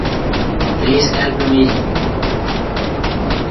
His parents' names are Colton and Paula Rogers.